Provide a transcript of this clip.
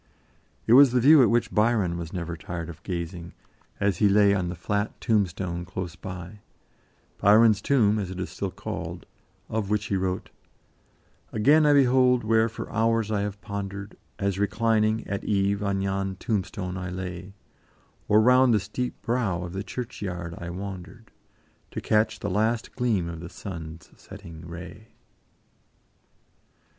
It was the view at which Byron was never tired of gazing, as he lay on the flat tombstone close by Byron's tomb, as it is still called of which he wrote: "Again I behold where for hours I have pondered, As reclining, at eve, on yon tombstone I lay, Or round the steep brow of the churchyard I wandered, To catch the last gleam of the sun's setting ray."